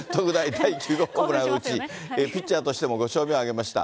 第９号ホームランを打ち、ピッチャーとしても５勝目を挙げました。